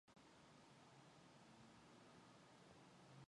Энэ бол тэдний амжилтын бодит нууц.